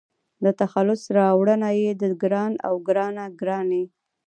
د تخلص راوړنه يې د --ګران--او --ګرانه ګراني